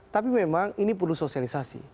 tapi memang ini perlu sosialisasi